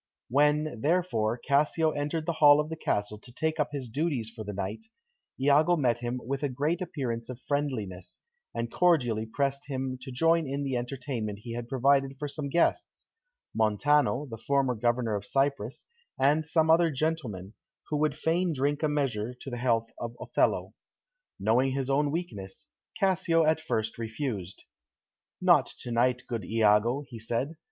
When, therefore, Cassio entered the hall of the castle to take up his duties for the night, Iago met him with a great appearance of friendliness, and cordially pressed him to join in the entertainment he had provided for some guests, Montano, the former Governor of Cyprus, and some other gentlemen, who would fain drink a measure to the health of Othello. Knowing his own weakness, Cassio at first refused. "Not to night, good Iago," he said.